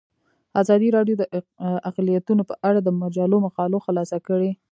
ازادي راډیو د اقلیتونه په اړه د مجلو مقالو خلاصه کړې.